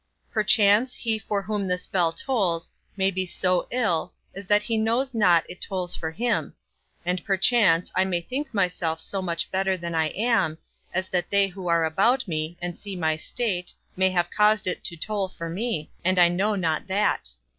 Perchance he for whom this bell tolls may be so ill, as that he knows not it tolls for him; and perchance I may think myself so much better than I am, as that they who are about me, and see my state, may have caused it to toll for me, and I know not that.